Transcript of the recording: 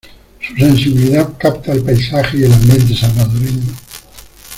Su sensibilidad capta el paisaje y el ambiente salvadoreño.